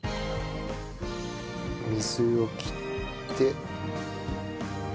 水を切って。